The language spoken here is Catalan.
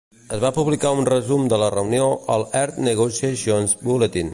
Es va publicar un resum de la reunió al "Earth Negotiations Bulletin".